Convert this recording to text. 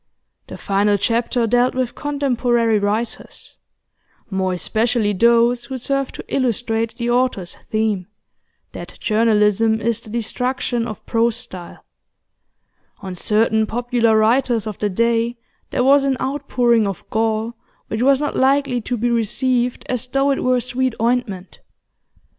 The final chapter dealt with contemporary writers, more especially those who served to illustrate the author's theme that journalism is the destruction of prose style: on certain popular writers of the day there was an outpouring of gall which was not likely to be received as though it were sweet ointment.